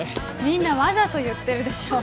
みんなわざと言ってるでしょ？